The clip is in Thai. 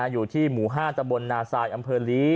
อยู่ที่หมู่๕ตะบลนาซายอำเภอลี